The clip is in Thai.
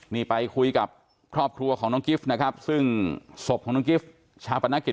นี่ไปคุยกับครอบครัวของน้องกิฟต์นะครับซึ่งศพของน้องกิฟต์ชาปนกิจ